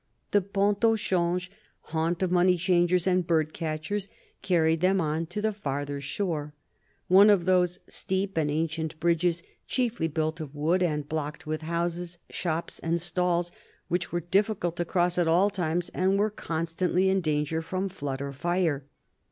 The Pont au Change, haunt of money changers and bird catchers, carried them on to the farther shore; one of those steep and ancient bridges, chiefly built of wood and blocked with houses, shops and stalls, which were difficult to cross at all times and were constantly in danger from flood or fire.